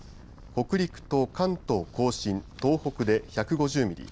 北陸と関東甲信、東北で１５０ミリ